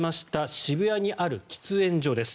渋谷にある喫煙所です。